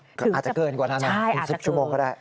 อาจจะเกินกว่านั้นนะ๑๐ชั่วโมงก็ได้